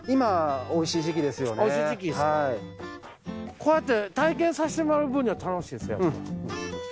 こうやって体験させてもらう分には楽しいですねやっぱ。